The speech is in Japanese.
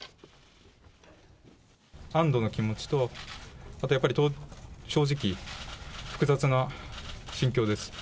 安どの気持ちと、あとやっぱり、正直、複雑な心境です。